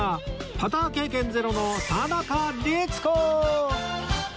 パター経験ゼロの田中律子